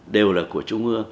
đều là của trung ương